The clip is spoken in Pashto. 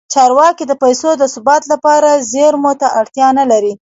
چارواکي د پیسو د ثبات لپاره زیرمو ته اړتیا نه لري.